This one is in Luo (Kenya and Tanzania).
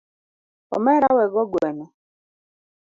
Omera wego gueno